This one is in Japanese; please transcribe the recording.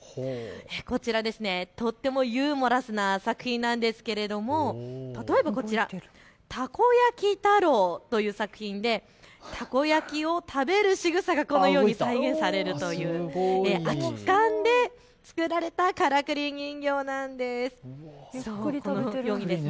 こちら、とってもユーモラスな作品なんですけれども例えばこちらたこやきたろうという作品でたこ焼きを食べるしぐさがこのように再現されるという空き缶で作られたからくり人形なんです。